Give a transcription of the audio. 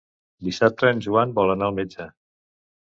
Dissabte en Joan vol anar al metge.